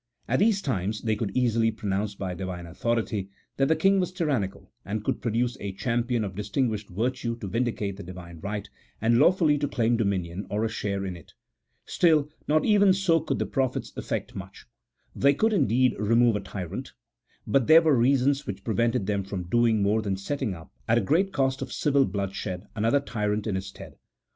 At these times they could easily pronounce by Divine authority that the king was tyrannical, and could produce a champion of distinguished virtue to vindicate the Divine right, and lawfully to claim dominion, or a share in it. Still, not even so could the prophets effect much. They could, indeed, remove a tyrant; but there were reasons which prevented them from doing more than setting up, at great cost of civil bloodshed, another tyrant in his stead.